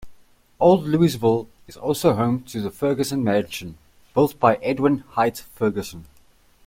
Old Louisville is also home to the Ferguson Mansion, built by Edwin Hite Ferguson.